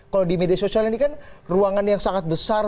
kalau di media sosial ini kan ruangan yang sangat besar